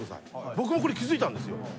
僕もこれ気付いたんですよ。